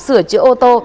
sửa chữa ô tô